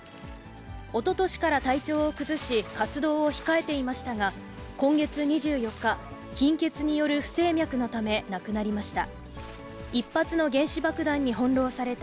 おととしから体調を崩し、活動を控えていましたが、今月２４日、貧血による不整脈のため亡くなりました。